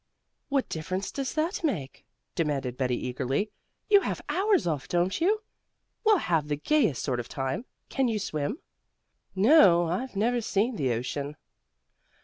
"What difference does that make?" demanded Betty eagerly. "You have hours off, don't you? We'll have the gayest sort of a time. Can you swim?" "No, I've never seen the ocean."